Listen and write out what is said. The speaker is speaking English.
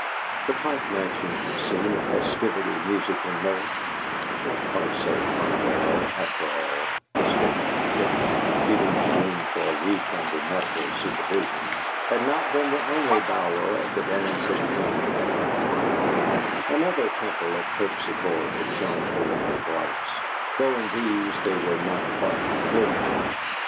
The Pike Mansion, "scene of festivity, music, and mirth" (not quite so unalloyed, after all, the stricken Flitcroft keeping his room for a week under medical supervision), had not been the only bower of the dance in Canaan that evening: another Temple of Terpsichore had shone forth with lights, though of these there were not quite a myriad.